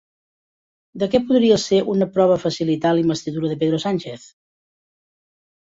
De què podria ser una prova facilitar la investidura de Pedro Sánchez?